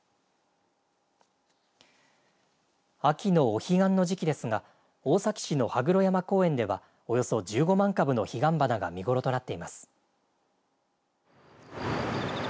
秋のお彼岸の時期ですが大崎市の羽黒山公園ではおよそ１５万株の彼岸花が見頃となっています。